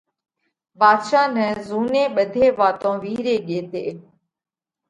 ڀاڌشا نئہ زُوني ٻڌي واتون وِيهري ڳي تي۔